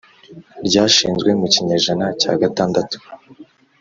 ryashinzwe mu kinyejana cya gatandatu ,